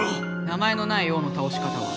名前のない王のたおし方は。